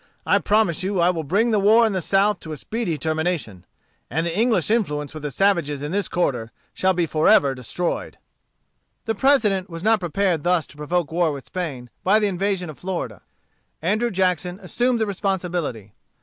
I promise you I will bring the war in the South to a speedy termination; and English influence with the savages, in this quarter, shall be forever destroyed." The President was not prepared thus to provoke war with Spain, by the invasion of Florida. Andrew Jackson assumed the responsibility.